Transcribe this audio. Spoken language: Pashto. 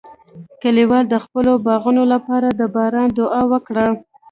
کلیوال د خپلو باغونو لپاره د باران دعا وکړه.